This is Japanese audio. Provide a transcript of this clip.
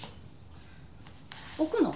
置くの？